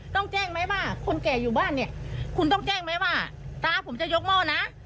ต้องแจ้งไหมว่าคนแก่อยู่บ้านเนี่ยคุณต้องแจ้งไหมว่าตาผมจะยกหม้อนะ